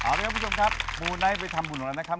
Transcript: เอาละครับผู้ชมครับมูไนท์ไปทำผลงรัฐนั้นค่ะ